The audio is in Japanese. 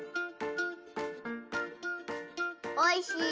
おいしい。